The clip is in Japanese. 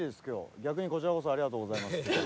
逆にこちらこそありがとうございますって感じ。